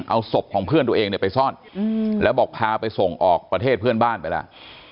เอาศพของเพื่อนตัวเองเนี่ยไปซ่อนแล้วบอกพาไปส่งออกประเทศเพื่อนบ้านไปแล้ว